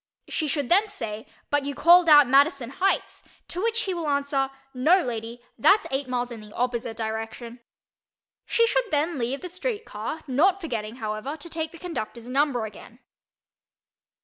She should then say "But you called out Madison Heights," to which he will answer "No, lady—that's eight miles in the opposite direction." She should then leave the street car, not forgetting, however, to take the conductor's number again.